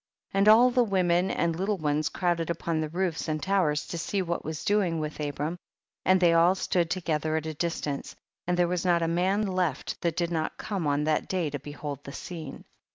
8. And all the women and little ones crowded upon the roofs and towers to see lohat ivas doing with Abram, and they all stood together at a distance ; and there was not a man left that did not come on that day to behold the scene.